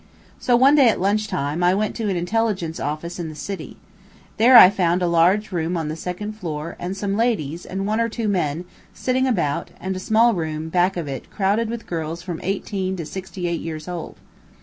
So, one day at lunch time, I went to an intelligence office in the city. There I found a large room on the second floor, and some ladies, and one or two men, sitting about, and a small room, back of it, crowded with girls from eighteen to sixty eight years old.